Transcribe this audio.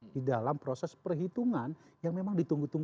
di dalam proses perhitungan yang memang ditunggu oleh kpu